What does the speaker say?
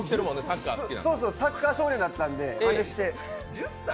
サッカー少年だったんでまねして。